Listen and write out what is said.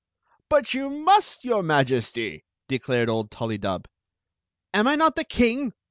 " But you must, your Majesty!" declared old Tul lydub. "Am I not the king?"